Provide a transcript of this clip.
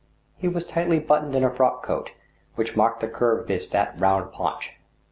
He was tight buttoned in a frock coat, which marked the curve of his " fat round paunch."